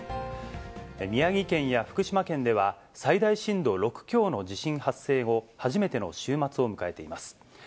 宮城県や福島県では、最大震度６強の地震発生後、初めての週末を迎えています。